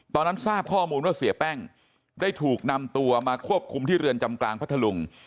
ทราบข้อมูลว่าเสียแป้งได้ถูกนำตัวมาควบคุมที่เรือนจำกลางพัทธลุง